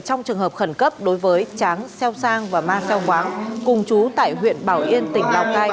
trong trường hợp khẩn cấp đối với tráng xeo sang và ma xeo hoáng cùng chú tại huyện bảo yên tỉnh lào cai